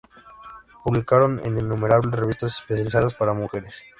Publicaron en innumerables revistas especializadas para mujeres.